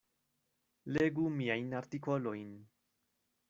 Legu miajn artikolojn.